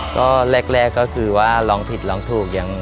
ก็แรกก็คือว่าร้องผิดร้องถูกอย่าง